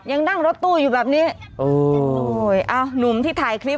ยังนั่งรถตู้อยู่แบบนี้โอ้ยอ้าวหนุ่มที่ถ่ายคลิป